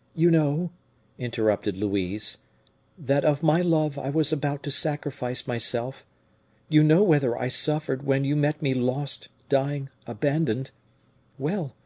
'" "You know," interrupted Louise, "that of my love I was about to sacrifice myself; you know whether I suffered when you met me lost, dying, abandoned. Well!